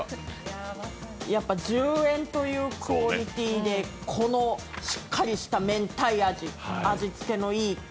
やっぱ１０円というクオリティーでこのしっかりしためんたい味、味付けもいい。